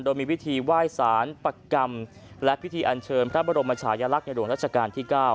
โดยมีวิธีไหว้สารปกรรมและพิธีอันเชิญพระบรมชายลักษณ์ในหลวงรัชกาลที่๙